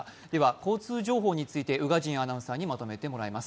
交通情報について宇賀神アナウンサーにまとめてもらいます。